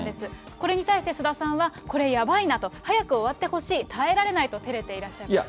これに対して菅田さんは、これ、やばいなと。早く終わってほしい、耐えられないとてれていらっしゃいました。